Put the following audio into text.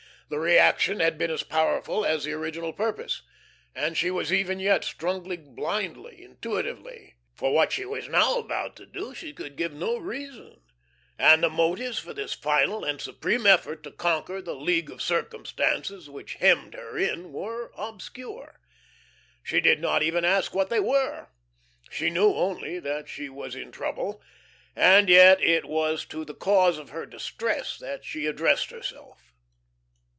The reaction had been as powerful as the original purpose, and she was even yet struggling blindly, intuitively. For what she was now about to do she could give no reason, and the motives for this final and supreme effort to conquer the league of circumstances which hemmed her in were obscure. She did not even ask what they were. She knew only that she was in trouble, and yet it was to the cause of her distress that she addressed herself.